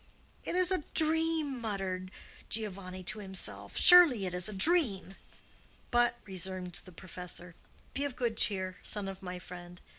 "It is a dream," muttered Giovanni to himself; "surely it is a dream." "But," resumed the professor, "be of good cheer, son of my friend.